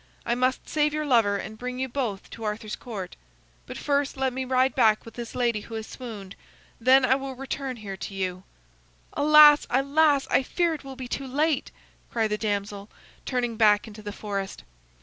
I must save your lover and bring you both to Arthur's Court. But let me first ride back with this lady who has swooned. Then I will return here to you." "Alas, alas, I fear it will be too late," cried the damsel, turning back into the forest.